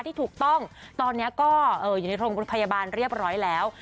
ที่ถูกต้องตอนนี้ก็อยู่ในโรงพยาบาลเรียบร้อยแล้ว